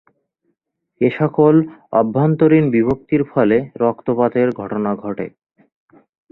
এসকল অভ্যন্তরীণ বিভক্তির ফলে রক্তপাতের ঘটনা ঘটে।